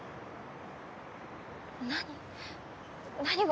何？